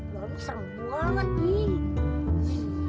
serem banget ini